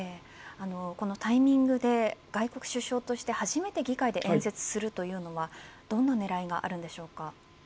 このタイミングで外国首相として初めて議会で演説するというのはどんな狙いがあるんでしょうか。